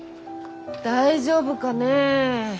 大丈夫かねえ？